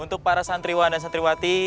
untuk para santriwan dan santriwati